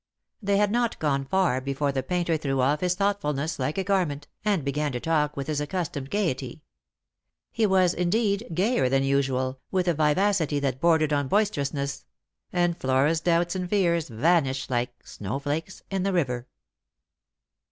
They had not gone far before the painter threw off his thoughtfulness like a garment, and began to talk with his aocus Lost for Love. 91 tomed gaiety. He was, indeed, gayer than usual, with a vivacity that bordered on boisterousness ; and Flora's doubts and fears vanished like " snow flakes in the river."